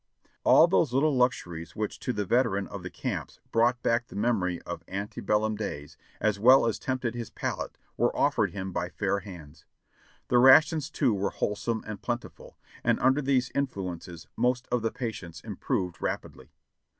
All those little luxuries which to the veteran of the camps brought back the memory of ante bellum days, as well as tempted his palate, were offered him by fair hands. The rations too were wholesome and plentiful, and under these influences most of the patients improved rapidly.